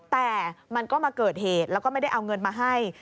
แต่มันก็มาเกิดเหตุแล้วก็ไม่ได้เอาเงินมาให้